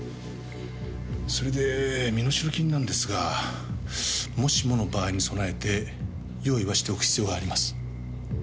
それで身代金なんですがもしもの場合に備えて用意はしておく必要があります。